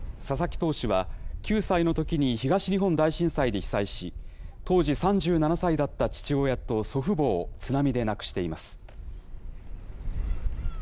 佐々木投手は９歳のときに東日本大震災で被災し、当時３７歳だった父親と祖父母を津波で亡くしています。